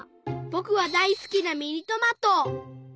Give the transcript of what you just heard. ぼくはだいすきなミニトマト。